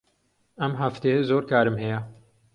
ئەم هەفتەیە زۆر کارم هەیە.